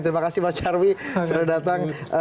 terima kasih mas nyarwi sudah datang